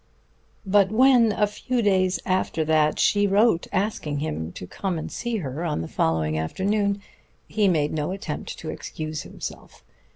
But when, a few days after, she wrote asking him to come and see her on the following afternoon, he made no attempt to excuse himself.